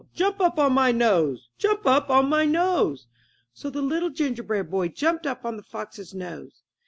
Jump up on my nose! Jump up on my nose!*' So the Little Gingerbread Boy jumped up on the fox's nose.